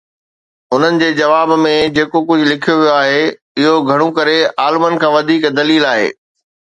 انهن جي جواب ۾ جيڪو ڪجهه لکيو ويو آهي، اهو گهڻو ڪري عالمن کان وڌيڪ دليل آهي.